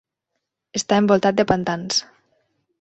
Està envoltat de pantans.